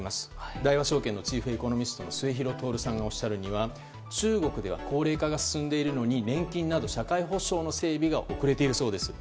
大和証券のチーフエコノミストの末廣徹さんがおっしゃるには中国では高齢化が進んでいるのに年金など社会保障の整備が遅れているそうです。